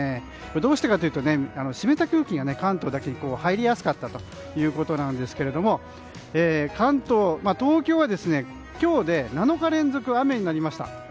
どうしてかというと湿った空気が関東だけに入りやすかったということなんですけども関東、東京は今日で７日連続雨になりました。